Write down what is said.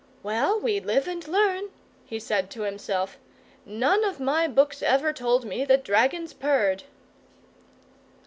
"Well, we live and learn!" he said to himself. "None of my books ever told me that dragons purred!"